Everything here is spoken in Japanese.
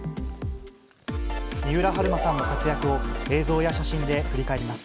三浦春馬さんの活躍を映像や写真で振り返ります。